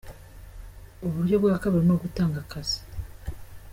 Uburwo bwa kabiri ni ugutanga akazi.